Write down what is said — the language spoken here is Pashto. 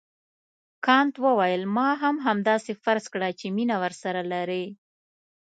کانت وویل ما هم همداسې فرض کړه چې مینه ورسره لرې.